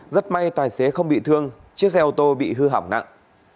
rất may tài xế không bị thương chiếc xe ô tô bị hư hỏng nặng